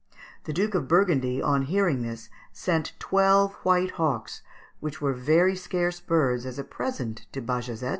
The Duke of Burgundy, on hearing this, sent twelve white hawks, which were very scarce birds, as a present to Bajazet.